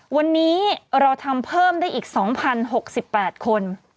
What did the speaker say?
วันนี้เราทำเพิ่มได้อีก๒๐๖๘คน